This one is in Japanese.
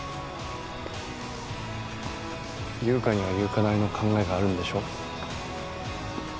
優香には優香なりの考えがあるんでしょ？